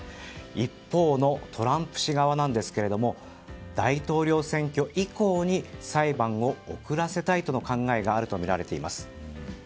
一方のトランプ氏側は大統領選挙以降に裁判を遅らせたいとの考えがあるとみられます。